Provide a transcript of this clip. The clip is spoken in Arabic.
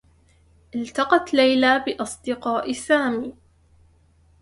التقت ليلى بأصدقاء سامي.